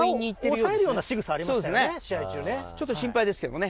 押さえるようなしぐさもありましたしね。